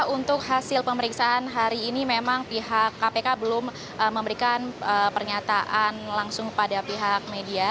untuk hasil pemeriksaan hari ini memang pihak kpk belum memberikan pernyataan langsung kepada pihak media